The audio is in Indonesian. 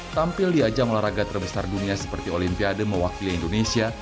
tampil di ajang olahraga terbesar dunia seperti olimpiade mewakili indonesia